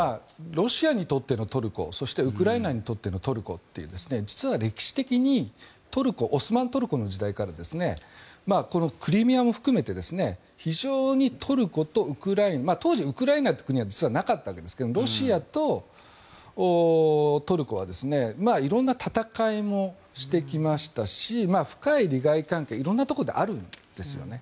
ロシアにとってのトルコそしてウクライナにとってのトルコというのは実は歴史的にオスマントルコの時代からこのクリミアも含めて非常にトルコとウクライナ当時、ウクライナという国は実はなかったわけですがロシアとトルコは色んな戦いもしてきましたし深い利害関係色んなところであるんですよね。